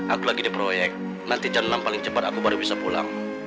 aku lagi di proyek nanti jam enam paling cepat aku baru bisa pulang